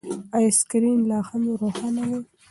ایا سکرین لا هم روښانه دی؟